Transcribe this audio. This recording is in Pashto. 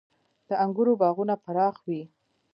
• د انګورو باغونه پراخ وي.